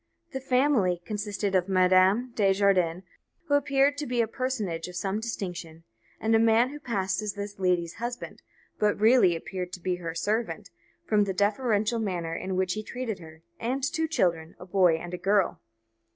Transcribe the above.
The family consisted of a Madame de Jardin, who appeared to be a personage of some distinction, and a man who passed as this lady's husband, but really appeared to be her servant, from the deferential manner in which he treated her; and two children, a boy and a girl.